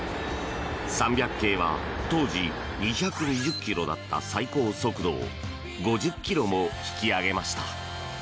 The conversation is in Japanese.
３００系は、当時２２０ｋｍだった最高速度を５０ｋｍも引き上げました。